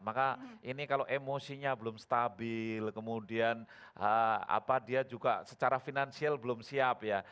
maka ini kalau emosinya belum stabil kemudian dia juga secara finansial belum siap ya